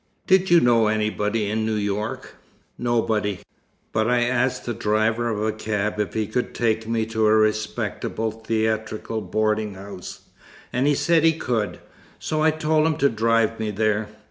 "Did you know anybody in New York?" "Nobody. But I asked the driver of a cab if he could take me to a respectable theatrical boarding house, and he said he could, so I told him to drive me there.